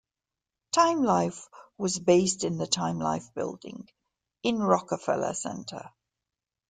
Time Life was based in the Time Life building in Rockefeller Center.